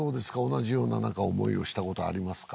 同じような何か思いをしたことはありますか？